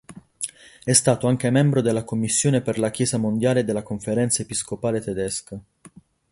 È stato anche membro della commissione per la Chiesa mondiale della Conferenza episcopale tedesca.